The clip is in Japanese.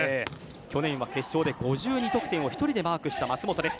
去年は決勝で５２得点を１人でマークした舛本です。